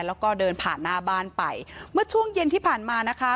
แล้วก็เดินผ่านหน้าบ้านไปเมื่อช่วงเย็นที่ผ่านมานะคะ